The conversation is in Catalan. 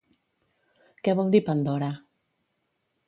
Què vol dir Pandora?